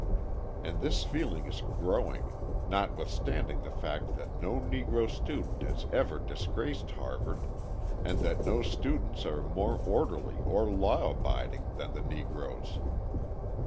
And this feeling is growing, notwithstanding the fact that no Negro student has ever disgraced Harvard and that no students are more orderly or law abiding than the Negroes.